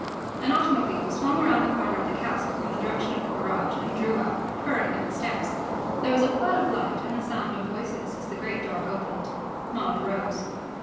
An automobile swung round the corner of the castle from the direction of the garage, and drew up, purring, at the steps. There was a flood of light and the sound of voices, as the great door opened. Maud rose.